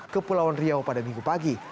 ke pulau andriau pada minggu pagi